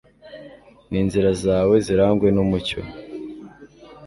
n'inzira zawe zirangwe n'umucyo